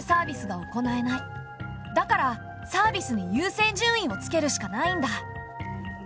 だからサービスに優先順位をつけるしかないんだ。